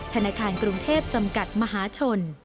ธนาคารกรุงเทพจำกัดมหาชน